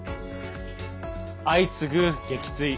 相次ぐ撃墜。